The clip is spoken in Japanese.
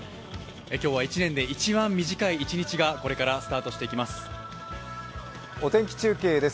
今日は１年で一番短い一日がこれからスタートしていきます。